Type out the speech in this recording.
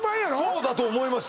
そうだと思います